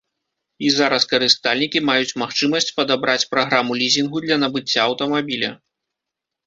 І зараз карыстальнікі маюць магчымасць падабраць праграму лізінгу для набыцця аўтамабіля.